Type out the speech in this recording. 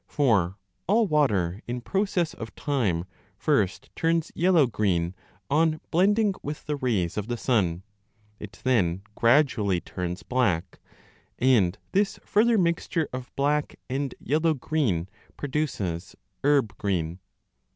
For all water in process of time first turns yellow green on blending with the rays of the sun ; it then gradually turns black, and this further mixture of black and yellow green produces herb green.